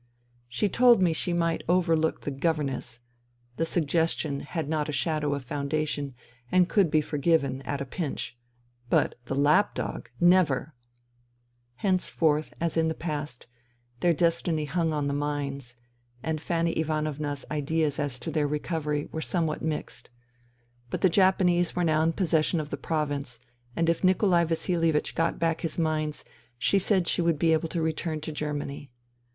She told me she might overlook the " governess *': the suggestion had not a shadow of foundation and could be for given — at a pinch. But the " lapdog "— never ! Henceforth, as in the past, their destiny hung on the mines, and Fanny Ivanovna's ideas as to their recovery were somewhat mixed. But the Japanese were now in possession of the Province, and if Nikolai Vasilievich got back his mines she said she would be able to return to Germany.